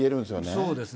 そうですね。